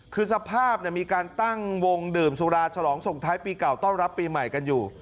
คือสภาพมีการตั้งวงดื่มสุราฉลองส่งท้ายปีเก่าต้อนรับปีใหม่กันอยู่